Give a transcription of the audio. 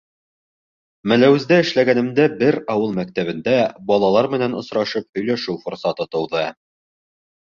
Мәләүездә эшләгәнемдә бер ауыл мәктәбендә балалар менән осрашып һөйләшеү форсаты тыуҙы.